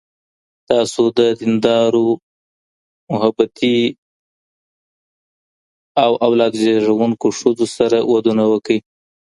تاسو د ديندارو، محبتي او اولاد زيږوونکو ښځو سره ودونه وکړئ